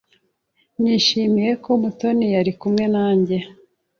Nishimiye ko Mutoni yari kumwe nanjye.